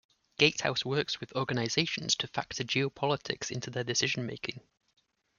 Gatehouse works with organisations to factor geopolitics into their decision making.